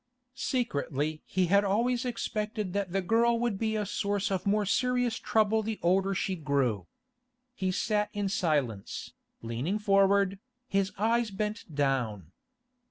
Secretly he had always expected that the girl would be a source of more serious trouble the older she grew. He sat in silence, leaning forward, his eyes bent down.